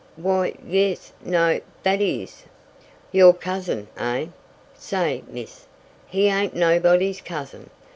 "Why yes, no, that is " "Your cousin, eh? Say, miss, he ain't nobody's cousin.